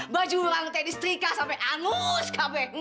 baju orang tadi setrika sampai anus kb